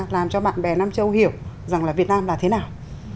làm cho bạn bè nam châu hiểu rằng là việt nam là thế nào